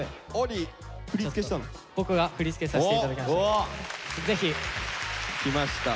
僕が振り付けさせて頂きました。